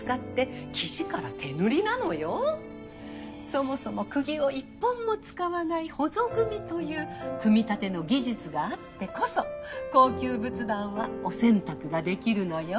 そもそも釘を１本も使わないほぞ組みという組立の技術があってこそ高級仏壇はお洗濯ができるのよ。